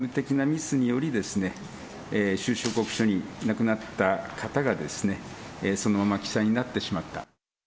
事務担当者の事務的なミスにより、収支報告書に亡くなった方がそのまま記載になってしまった。